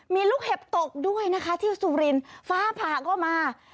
มีลูกเห็บตกด้วยนะคะที่สุรินทร์ฟ้าผ่าก็มา